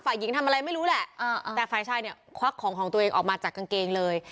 ฝ่ายหญิงทำอะไรไม่รู้แหละแต่ฝ่ายชายเนี่ยควักของของตัวเองออกมาจากกางเกงเลย